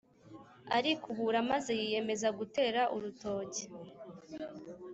arakibura, maze yiyemeza gutera urutoke,